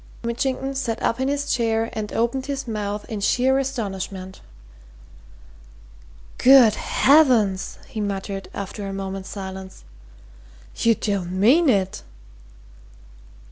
Mitchington sat up in his chair and opened his mouth in sheer astonishment. "Good heavens!" he muttered after a moment's silence. "You don't mean it?"